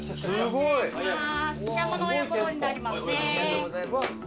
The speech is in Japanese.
すごい！